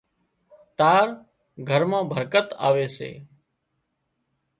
تار گھر مان برڪت آوي سي